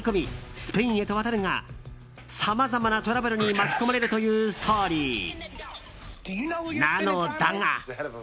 スペインへと渡るがさまざまなトラブルに巻き込まれるというストーリーなのだが。